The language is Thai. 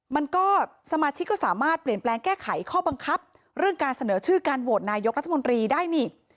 มันก็สมาชิกก็สามารถเปลี่ยนแปลงแก้ไขข้อบังคับเรื่องการเสนอชื่อการโหวตนายกรัฐมนตรีได้นี่